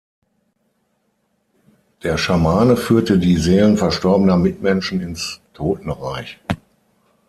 Der Schamane führte die Seelen verstorbener Mitmenschen ins Totenreich.